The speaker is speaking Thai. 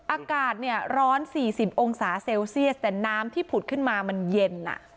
อากาศเนี่ยร้อน๔๐องศาเซลเซียสแต่น้ำที่ผุดขึ้นมามันเย็น